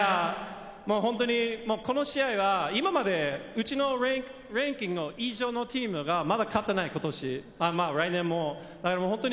本当にこの試合は、今まで、うちのランキング以上のチームがまだ勝っていない今年、来年も。